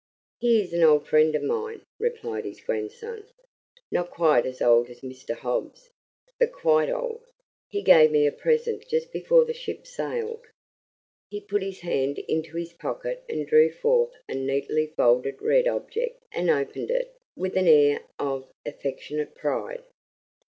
"He is an old friend of mine," replied his grandson. "Not quite as old as Mr. Hobbs, but quite old. He gave me a present just before the ship sailed." He put his hand into his pocket and drew forth a neatly folded red object and opened it with an air of affectionate pride.